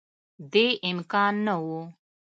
دې امکان نه وو